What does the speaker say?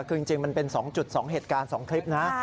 คือจริงมันเป็น๒๒เหตุการณ์๒คลิปนะ